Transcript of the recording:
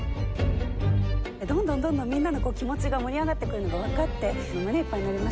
どんどんどんどんみんなの気持ちが盛り上がってくるのがわかって胸いっぱいになりましたね。